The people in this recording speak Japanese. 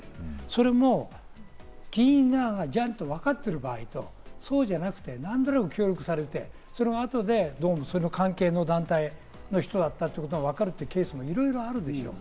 それも議員側がちゃんとわかっている場合と、そうじゃなくて何となく協力されて、あとでどうもその関係の団体の人だったということがわかるケースもいろいろあるでしょう。